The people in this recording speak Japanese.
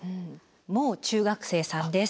もう中学生さんです。